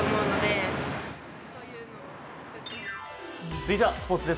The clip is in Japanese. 続いては、スポーツです。